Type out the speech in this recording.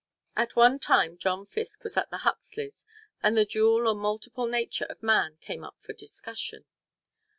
At one time John Fiske was at the Huxleys and the dual or multiple nature of man came up for discussion.